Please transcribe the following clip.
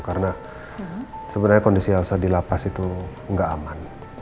karena sebenarnya kondisi elsa di la paz itu nggak aman